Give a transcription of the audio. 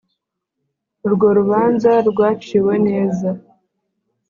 urwo rubanza rwaciwe neza